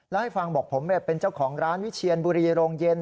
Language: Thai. แล้วให้ฟังบอกผมเป็นเจ้าของร้านวิเชียนบุรีโรงเย็น